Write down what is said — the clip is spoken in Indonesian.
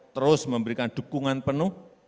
terus memberikan dukungan penuh